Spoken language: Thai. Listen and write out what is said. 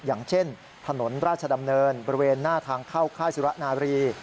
อย่างเช่นถนนราชดำเนินบริเวณหน้าทางเข้าค่ายสุรนารี